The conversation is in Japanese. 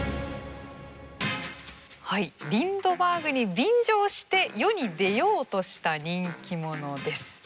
リンドバーグに便乗して世に出ようとした人気者です。